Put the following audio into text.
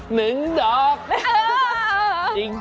หนึ่งดอก